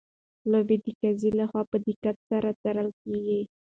لوبه د قاضي لخوا په دقت سره څارل کیږي.